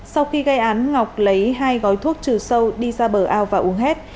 sau khi gây án ngọc lấy hai gói thuốc trừ sâu đi ra bờ ao và uống hết